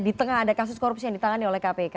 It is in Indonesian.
di tengah ada kasus korupsi yang ditangani oleh kpk